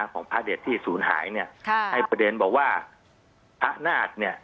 ของพระเด็ดที่ศูนย์หายเนี่ยค่ะให้ประเด็นบอกว่าพระนาฏเนี่ย